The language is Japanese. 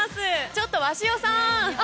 ちょっと鷲尾さん！